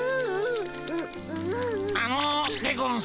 あのでゴンス。